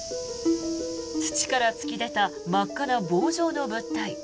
土から突き出た真っ赤な棒状の物体。